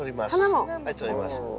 はいとります。